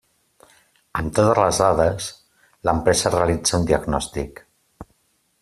Amb totes les dades, l'empresa realitza un diagnòstic.